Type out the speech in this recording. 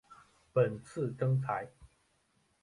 本次征才